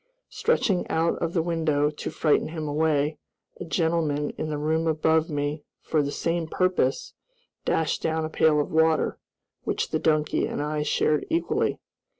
Stretching out of the window to frighten him away, a gentleman in the room above me, for the same purpose, dashed down a pail of water, which the donkey and I shared equally.